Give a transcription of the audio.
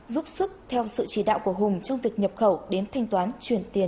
giúp sức theo sự chỉ đạo của hùng trong việc nhập khẩu đến thanh toán chuyển tiền trả đối tác